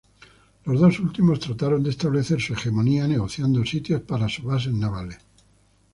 Los dos últimos trataron de establecer su hegemonía negociando sitios para sus bases navales.